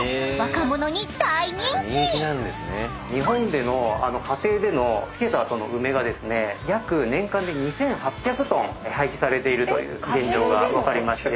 日本での家庭での漬けた後の梅がですね約年間で２，８００ｔ廃棄されているという現状が分かりまして。